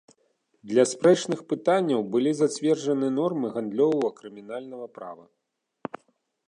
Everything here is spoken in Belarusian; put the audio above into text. Для спрэчных пытанняў былі зацверджаны нормы гандлёвага крымінальнага права.